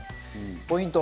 ポイント